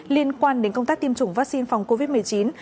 liên quan đến công tác tiêm chủng vaccine phòng covid một mươi chín